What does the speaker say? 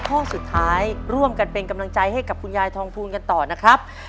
ข้อสุดท้ายร่วมกันเป็นกำลังใจให้กับคุณยายทองภูลกันต่อนะครับ